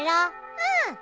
うん。